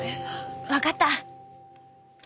分かった。